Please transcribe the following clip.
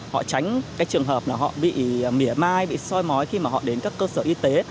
họ tránh cái trường hợp là họ bị mỉa mai bị soi mói khi mà họ đến các cơ sở y tế